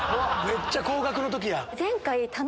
めっちゃ高額の時や。